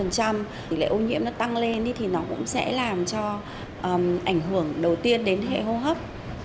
tỷ lệ ô nhiễm nó tăng lên thì nó cũng sẽ làm cho ảnh hưởng đầu tiên đến hệ hô hấp